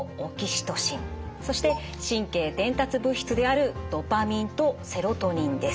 そして神経伝達物質であるドパミンとセロトニンです。